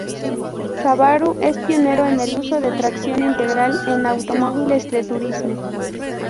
Subaru es pionero en el uso de tracción integral en automóviles de turismo.